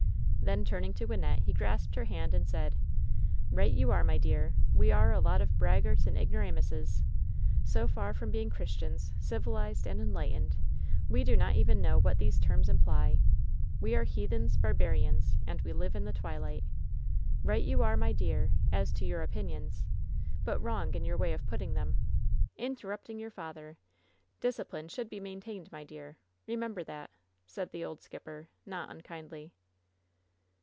Then turning to Wynnette, he grasped her hand, and said: "Eight you are, my dear! We are a lot of braggarts and ignoramuses ! So far from being Christians, civi lized and enlightened, we do not even know what these terms imply. We are heathen, barbarians, and we live in the twilight. Eight you are, my dear, as to your opinions, but wrong in your way of putting them. In terrupting your father. Discipline should be main WHEN SHADOWS DIE 41 tained, my dear. Remember that!" said the old skipper, not unkindly.